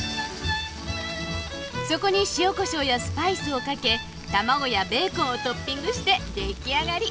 そこに塩コショーやスパイスをかけ卵やベーコンをトッピングして出来上がり。